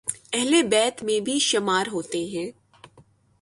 اہل بیت میں بھی شمار ہوتے ہیں